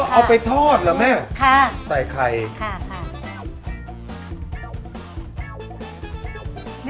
อ๋อเอาไปทอดเหรอแม่ใส่ไข่ค่ะค่ะ